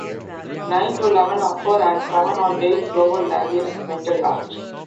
Nine to eleven upper and seven or eight lower labials; mental large.